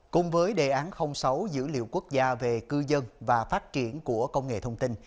cùng với đề án sáu dữ liệu quốc gia về cư dân và phát triển của công nghệ thông tin